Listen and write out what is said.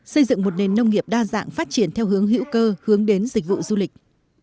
xây dựng một nền nông nghiệp đa dạng phát triển theo hướng hữu cơ hướng đến dịch vụ du lịch